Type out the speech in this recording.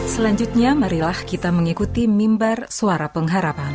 selanjutnya marilah kita mengikuti mimbar suara pengharapan